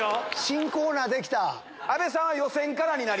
新コーナーできた。